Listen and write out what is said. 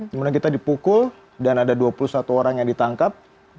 kemudian kita dipukul dan ada dua puluh satu orang yang ditangkap